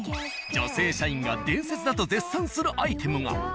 女性社員が伝説だと絶賛するアイテムが。